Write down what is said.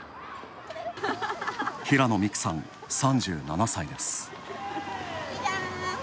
平野未来さん、３７歳です。